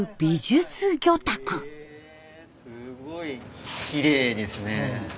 すごいきれいですね。